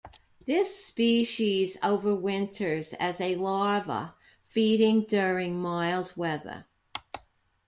This species overwinters as a larva, feeding during mild weather.